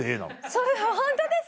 それホントですか？